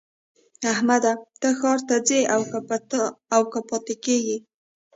احمده! ته ښار ته ځې او که پاته کېږې؟